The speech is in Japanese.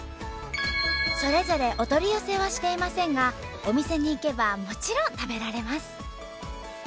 それぞれお取り寄せはしていませんがお店に行けばもちろん食べられます。